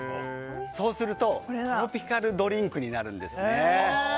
そうするとトロピカルドリンクになるんですね。